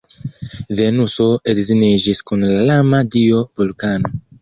Venuso edziniĝis kun la lama dio Vulkano.